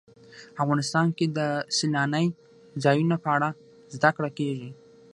افغانستان کې د سیلانی ځایونه په اړه زده کړه کېږي.